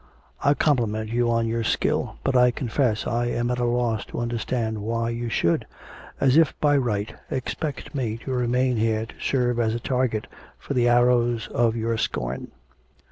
I compliment you on your skill, but I confess I am at a loss to understand why you should, as if by right, expect me to remain here to serve as a target for the arrows of your scorn.'